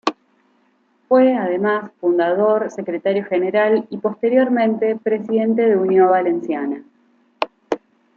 Fue, además, fundador, secretario general y posteriormente presidente de Unió Valenciana.